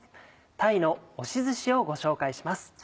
「鯛の押しずし」をご紹介します。